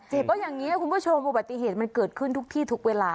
อย่างนี้คุณผู้ชมอุบัติเหตุมันเกิดขึ้นทุกที่ทุกเวลา